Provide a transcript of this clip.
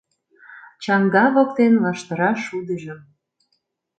Чаҥга воктен лаштыра шудыжым